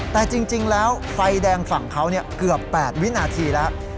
แต่จริงแล้วไฟแดงฝั่งเขาเกือบ๘วินาทีแล้ว